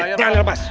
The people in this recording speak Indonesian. eh jangan lepas